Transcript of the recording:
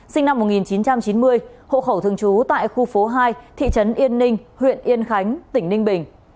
sinh năm một nghìn chín trăm chín mươi hộ khẩu thường trú tại khu phố hai thị trấn yên ninh huyện yên khánh tỉnh ninh bình